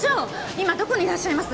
今どこにいらっしゃいます？